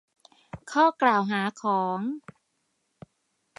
ข้อกล่าวหาของ